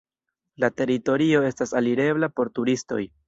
La teritorio estas alirebla por turistoj.